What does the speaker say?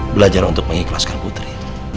belajar untuk mengikhlaskan putri